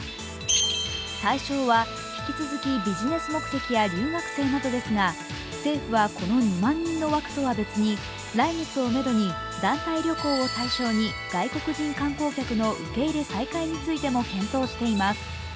対象は引き続きビジネス目的や留学生などですが政府はこの２万人の枠とは別に来月をめどに団体旅行を対象に外国人観光客の受け入れ再開についても検討しています。